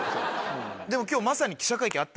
でも今日まさに。